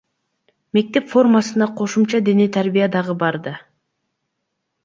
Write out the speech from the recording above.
Мектеп формасына кошумча дене тарбия дагы бар да.